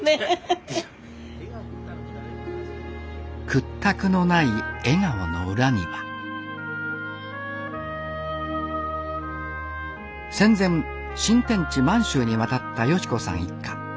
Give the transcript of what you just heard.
屈託のない笑顔の裏には戦前新天地満州に渡った美子さん一家。